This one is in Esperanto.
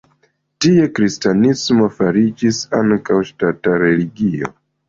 Tie kristanismo fariĝis ankaŭ ŝtata religio.